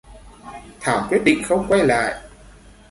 Thảo quyết định không quay lại